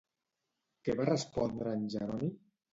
Què va respondre en Jeroni?